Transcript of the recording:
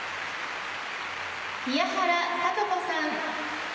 宮原知子さん。